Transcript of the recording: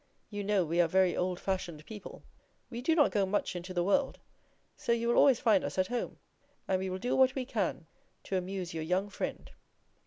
You know we are very old fashioned people; we do not go much into the world; so you will always find us at home, and we will do what we can to amuse your young friend.